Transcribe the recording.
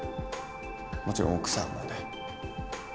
もちろん奥さんもね。